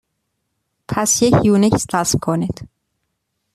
پس یک یونیکس نصب کنید.